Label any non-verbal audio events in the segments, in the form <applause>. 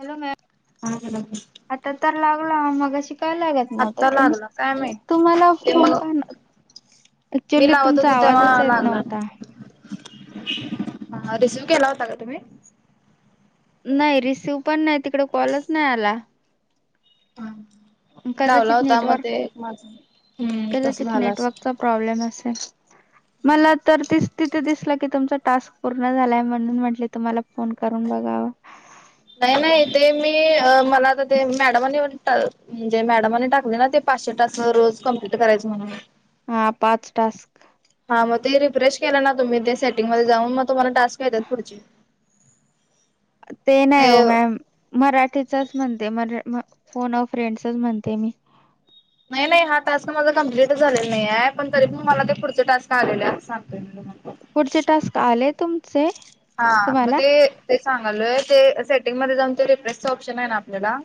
Hello ma'am हम्म आता तर लावला मघाशी का लागत आत्ता लागला काय <unintelligible> माहित तुम्हाला ते फोन मग करणार मी क्चुअली लावत तुमचा होतो आवाजच तेव्हा येत लागला नव्हता हा रिसिव केला होता का तुम्ही नाही रिसीव पण नाही तिकडे कॉलच नाही आला ह लावला कदाचित होता मग नेटवर्क ते माझ हम्म तस झालं अस प्रब्लेम असे मला तर त तिथे दिसलं की तुमचा टास्क पूर्ण झालाय म्हणून म्हटले तुम्हाला फोन करून बघावा नाही नाही ते मी मला आ ते मॅडमनी म्हटतात म्हणजे मॅडमने टाकले ना ते पाचशेासं रोज कं्प्लीट करायचं म्हण हा पाच टास्क हा मग ते रिफ्रेश केलं ना तुम्ही ते सेटिंग मध्ये जाऊन मग तुम्हाला टास्क येतात पुढचे ते नाही हो मॅम मराठीचाच म्हणते मरा फोन फ्रेंडसच म्हणते मी नाही नाही हा टास्क माझा कंप्लीट झालेला नाही आहे पण तरी प मला ते पुढचे टास्क झालेल्या सांगते मी तुम्हाला पुढचे टास्क आले तुमचे हा मग तुम्हाला. ते ते सांगालय ते सेटिंग मध्ये जाऊन ते रिफ्रेसच ऑप्शन आहे ना आपल्याला.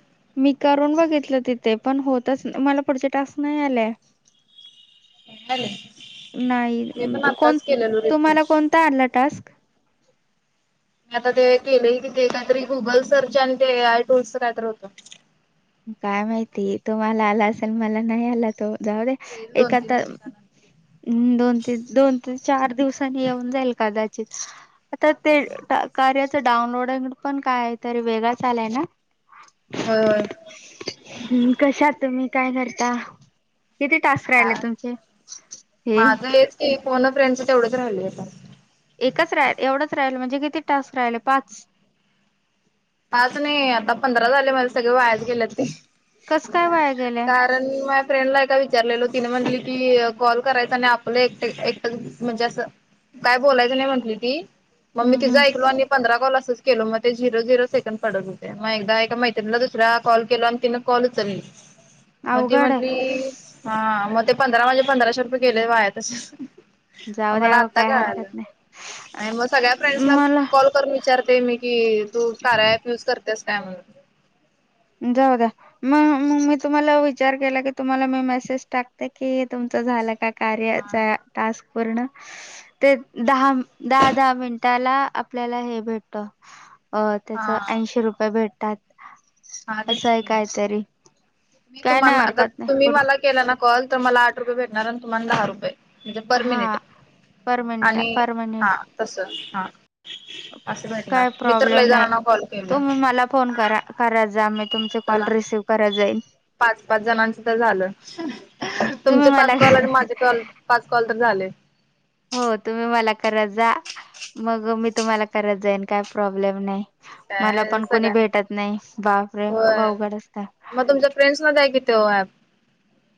मी करून बघितलं तिथे पण होतच मला पुढचे टास्क नाही आलेय. <inaudible> मी नाही पण कोण आत्ताच केलेलो तुम्हाला रिफ्रेश. कोणता आला टास्क? मी आता ते केले कि ते काहीतरी गुगल सर्च आणि ते आय टूल्सच कायतरी होतं. काय माहिती तो मला आला असेल मला नाही आला तो जाऊ दे. येईल एक दोन तीन आता. दिवसानंतर हम् दोन ते दोन ते चार दिवसांनी येऊन जाईल कदाचित. आता ते कार्याचं डाउनलोडिंग पण काय तरी वेगळाच आलाय ना. होय होय. हम् कशा आहात तुम्ही काय करता. किती टास्क राहिले काय तुमचे हे. ते फोन अ फ्रेंडच तेवढंच राहिलेता. एकच राहि एवढंच राहिलं म्हणजे किती टास्क राहिले पाच. पाच नाही आता पंधरा झाले माझं सगळे वायाच गेले ते. कसं काय वाया गेले. कारण माया फ्रेंडला एका विचारलेलो तिने म्हणली की कॉल करायचा आणि आपलं एकटं एकटं म्हणजे असं. काय बोलायचं नाही म्हटली ती मग मी हम्म तिचं हम् ऐकलो आणि पंधरा कॉल असंच केल मग ते झिरो झरो. सेकंद पडत होते मग एकदा एका मैत्रीणीला दुसऱ्या कॉल केला आणि तिनं कॉल उचलली. मग ती अवघड आहे म्हटली हा मग ते पंधरा म्हणजे पंधराशे रुपये गेले वाया तसेच. जाऊ मला द्या हो आत्ता काय हरकत काळालं. आणि मग सगळ्या नाही फ्रेंड्सना मला कॉल करून विचारते मी की तू कार्या ॲप. यूज करतेस काय म्हणून. जाऊ द्या. मग मग मी तुम्हाला विचार केला की तुम्हाला मी मेसेज टाकते की तुमच झालं का. हा कार्याचा. टास्क पूर्ण ते दहा दहा दहा मिनिटाला आपल्याला हे भेट. अ त्याच हा ऐंशी रुपये भेटतात. हा असं आहे काहीतरी <inaudible> म काय तुम्हा नाही आता हरकत नाही तुम्ही पुढ मला. केला ना कॉल तर मला आठ रुपेटणार आणि तुम्हाला दहा रुपये. म्हणजे पर हा मिनिट पर मिनिट आणि पर मिनिट हा तस हा. असं काय भेटणार प्रॉब्लेम मित्रलाही नाही जाणना कॉल केल. तुम्ही मला फोन करा कराय जा म तुमचा कॉल रिसिव्ह करात जाईल. पाच-पाच जणांचं तर झालं तुम्ही तुमचे मला पाच कॉल आणि माझे कॉल. पाच कॉल तर झाले. हो तुम्ही मला करत जा मग मी तुम्हाला करत जाईन काय प्रॉब्लेम नाही. मला काय पण कोणी सगळ्यांना भेटत नाही बापरे खूप होय अवघड असतात. मग तुमच्या फ्रेंड्स मध्ये आहे किथो ऍप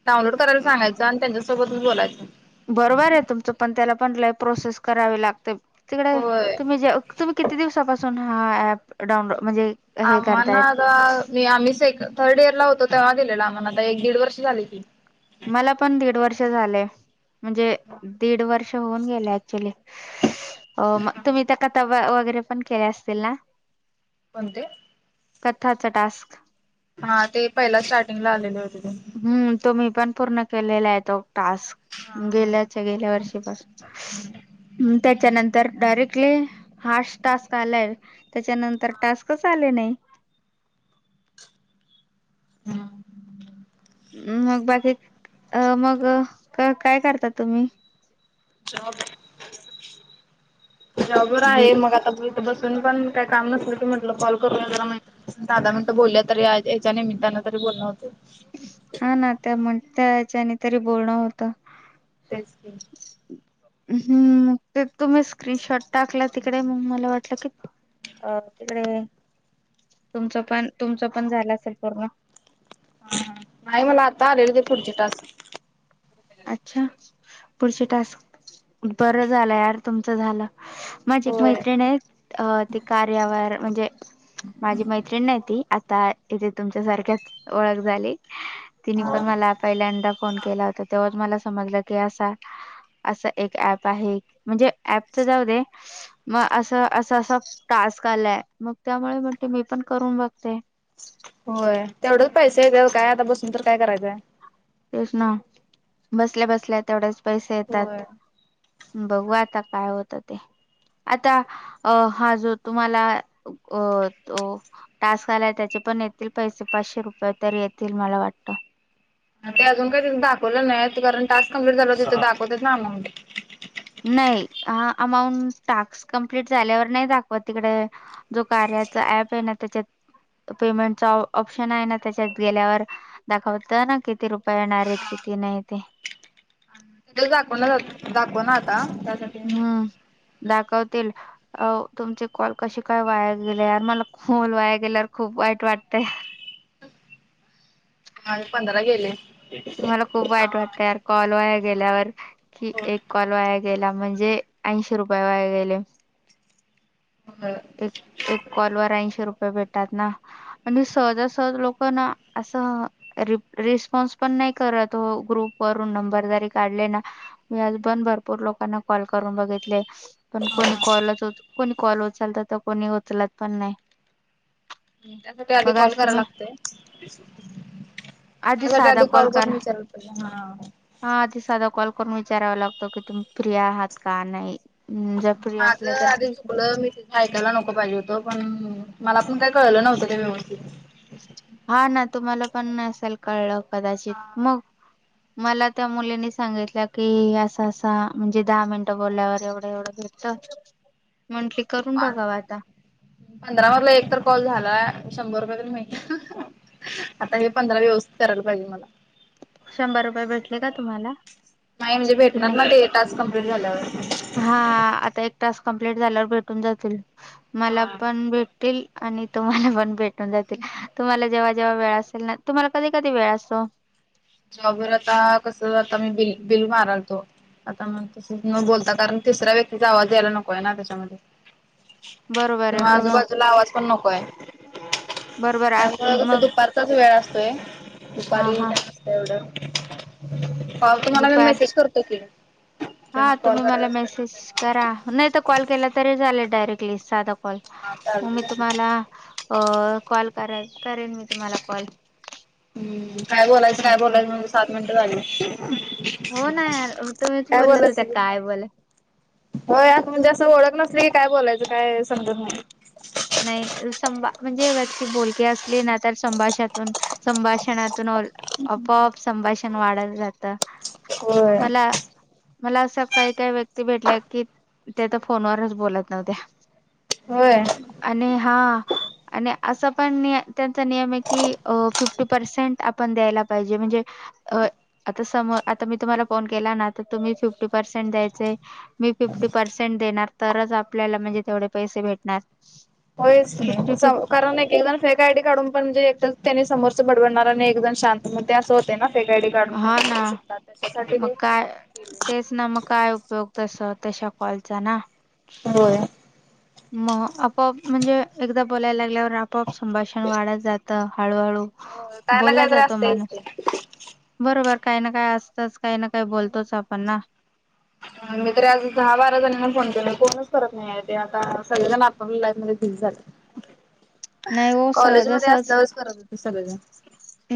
डाऊनलोड करायला सांगायचा आणि त्यांच्यासोबत बोलायचं. बरोबर आहे तुमचं पण त्याला पण लय प्रोसेस करावी लागते तिकडे होय तुम्ही जे. तुम्ही किती दिवसापासून हा ऍप डाऊनलोड म्हणजे. हे आम्हाला ना करतायत आता मी आम्ही सेक थर्ड इयर ला होतो तेव्हा गेलेला आम्हाला आता एक दीड वर्ष झाली की. मला पण दीड वर्ष झालंय. म्हणजे दीड वर्ष होऊन गेले ऍक्च्युली. हो मग तुम्ही त्या का तवा वगैरे पण केले असतील ना. कोणते. कथाचा टास्क. हा ते पहिला स्टार्टिंग ला आलेले होते ते. हम्म तुम्ही पण पूर्ण केलेला आहे तो टास्क. हा गेल्याच्या गेल्या वर्षीपासून. त्याच्यानंतर डायरेक्टली हार्श टास्क आलाय. त्याच्यानंतर टास्कच आले नाही. हम्म. मग बाकी अ मग काय करता तुम्ही. जॉब जॉबर बी आहे मग आता त बसून पण काय काम नसलं क म्हट कॉल करूया जला माहिती दहा दहा मिनटं बोलल्या तरी याच्या निमित्तानं तरी बोलणं होत. हा ना त्या म्हण त्या हच्यानी तरी बोलणं होतं. तेच की. हम्म मग ते तुम्ही स्क्रीनशॉट टाकला तिकडे मग मला वाटलं की अ तिकडे तुमच पण तुमचं पण झालं असेल पूर्ण ह नाही मला आता आलेली ते पुढचे टास्क. अच्छा पुढचे टास्क बरं झालं यार तुमचं झालं. माझी एक होय. मैत्रिण आहे अ ते कार्यावर म्हणजे माझी मैत्रिणी नाही ती आता इथे तुमच्या सारख्याच ओळख झाली तिने हा पण मला पहिल्यांदा फोन केला होता तेव्हाच मला समजलं की असा असं एक ऍप आहे म्हणजे ऍपच जाऊ दे मग असं अस असा टास्क आलाय मग त्यामुळे म्हणते मी पण करून बघते. होय तेवढंच पैसे आहे त्या काय आता बसून तर काय करायचंय. तेच ना बसल्या बसल्या तेवढेच पैसे येतात. होय बघू आता काय होतं ते आता अ हा जो तुम्हाला अ तो. टास्क आलाय त्याचे पण येतील पैसे पाचशे रुपये तरी येतील मला वाटत. ते अजून काहीथं दाखवलं नाही कारण टाक कंप्लीट झाला तिथं दाखवत ना अमाऊंट. नाही अमाऊंट टास्क कंप्लीट झाल्यावर नाही दाखवात तिकडे जो कार्याचा ऍप आहे ना त्याच्यात पेमेंटचा ऑप्शन आहे ना त्याच्यात गेल्यावर दाखवत ना किती रुपये येणार आहेत किती नाही ते. नंतर दाखवला दाखव ना आता हम्म दाखवतील. अ तुमचे कॉल कसे काय वाया गेले मला वाया गेल्यावर खूप वाईट वाटत यार. माझे पंधरा गेले. मला खूप हा वाईट वाटतंय यार कॉल वाया गेल्यावर कि एक कॉल वाया गेला म्हणजे ऐंशी रुपये वाया गेले. होय एक एक कॉलवर ऐंशी रुपये भेटतात ना आणि सहजासहज लोकांना असं रिस्पॉन्स पण नाही करत ओ ग्रुप वरून नंबर जरी काढले ना मी आज पण भरपूर लोकांना कॉल करून बघितले. पण कोणी कॉलच कोणी कॉल उचलत तर कोणी उचलत पण नाही. त्यासाठी आधी मग कॉल आज करा तुम्ही लागते त्यासाठी आधी कॉल करून विचारायला पाहिजे हा हा आधी साधा कॉल करून विचारावा लागतो की तुम्ही प्रि आहात का नाही. हम्म, जर फ्री असल्या माझं तर आधी ठीक आहे. चुकलं मि ऐकायला नको पाहिजे होतं पण मला आपण काय कळलं नव्हतं काय व्यवस्थित. हा ना तुम्हाला पण नसेल कळलं कदाचित मग हा मला त्या मुलीनी सांगितल्या की असं असा म्हणजे दहा मिनटं बोलल्यावर एवढं एवढं भेटत. म्हंटली करून बघाव आता पंधरा मधला एक तर कॉल झालाय शंभर रुपये तरी मिळतील. आता हे पंधरा व्यवस्थित करायला पाहिजे मला शंभर रुपये भेटले का तुम्हाला नाही म्हणजे कि भेटणार नाही ना ते टास्क कम्प्लीट झाल्यावर हा आता एक तास कम्प्लीट झाल्यावर भेटून जातील मला हा पण भेट तील आणि तुम्हाला पण भेटून जातील. तुम्हाला जेव्हा जेव्हा वेळ असेल ना तुम्हाला कधी कधीे वेळ असतो. जॉब वर आता कस आता मी बिल बिल मारालतो आता मग तस न बोलता कारण तिसऱ्या व्यक्तीचा आवाज द्यायला नकोय ना त्याच्यामध्ये बरोबर आहे तुम्हा मग आजुबाजुला आवाज पण नकोय. बरोबरं आज मग आताच वेळ असतोय हा दुपारी काही हा नसतं एवढं कॉल तुम्हाला मी दुपार मेसेज करतो की जेव्हा हा कॉल तुम्ही वर मला असताना मेसेज करा नाही तर कॉल केला तरी चालेल डायरेक्टली साधा कॉल हा मग मी चालतंय. तुम्हाला अ कॉल करा करेन मी तुम्हाला कॉल हम्म काय बोलायचं काय असं बोलायचं म्हणून सात मिनटं झाली. हो ना यार तुम्हीच काय बोलत बोलायचं होत्या समजत काय नव्हतं. बोलायच होय आ म्हणजे असं ओळख नसली की काय बोलायचं काय समजत नाही. नाही संभा म्हणजे व्यक्ती बोलकीे असली ना तर संभाषातून संभाषणातून आपोआप संभाषण वाढायला जातं. होय मला मला अशा काही काही व्यक्ती भेटल्या येत की त्या तर फोनवरच बोलत नव्हत्या. होय. आणि हा आणि असा पण त्यांचा नियम आहे की अ फिफ्टी पर्सेंट आपण द्यायला पाहिजे म्हणजे आता समोर आता मी तुम्हाला फोन केला ना तर तुम्ही फिफ्टी पर्सेंट द्यायचे मी फिफ्टी पर्सेंट देणार तरच आपल्याला म्हणजे तेवढे पैसे भेटणार. होय नी फिफ्टी फिफ जाऊ. कारण एक एक जण फेक आयडी काढून पण म्हणजे त्यानी समोरचं बडबडणारा आणि एक जण शांत मग ते असं होतय ना फेक आयडी काढून तेन हा ना करु शकतात त्याच्यासाठी मग ते केले. काय तेच ना मग काय उपयोग तस तशा कॉलचा ना हो मग आपोआप म्हणजे एकदा बोलायला लागल्यावर आपोआप संभाषण वाढत जातं हळूहळू हो काय ना बोलला काजरा जातो असत इ माणूस बरोबर काही ना काही असतंच काही ना काही बोलतोच आपण ना मी त आज दहा बारा जणांना फोन केला कोणच करत नाही ते आता सगळेजण आपापल्या लाईफ मध्ये क झाले <inaudible> नाही हो कॉलेज मध्ये सहजासहज असल्यावरच करत होते सगळेजण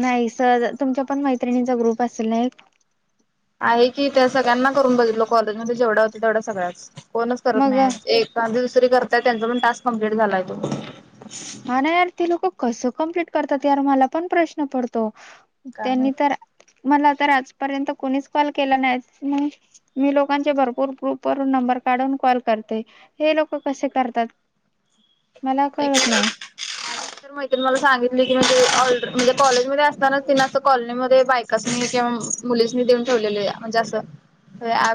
नाही सर तुमच्या पण मैत्रिणीचा ग्रुप असेल ना एक आहे की त्या सगळ्यांना करून बघितलो कॉलेजमध्येध्ये जेवढा होते तेवढा सगळ्याच कोणच करत मग नाही एक धी दुसरी करताय त्यांचा पण टास्क कंप्लीट झालाय तो हा नाही यार ते लोक कसं कम्प्लीट करतात यार मला पण प्रश्न पडतो काय त्यांनी माहित. तर मला तर आजपर्यंत कोणीच कॉल केला नाहीण मी लोकांचे भरपूर ग्रुप वून नंबर काढून कॉल करते हे लोक कसे करतात मला एक कळत एक नाही. तर मैत्रीण मला सांगितली की म्हणजे म्हणजे कॉलेज मध्ये असतानाच तिन असं कॉलनी मध्ये बायकासनी किंवा मुलीसनी देऊन ठेवलेले म्हणजे असं होय.